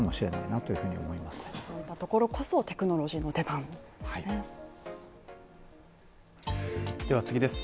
そういったところこそテクノロジーの出番ですね。